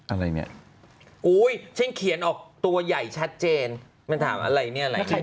อะไรเนี่ยอุ้ยฉันเขียนออกตัวใหญ่ชัดเจนมันถามอะไรเนี่ยแหละ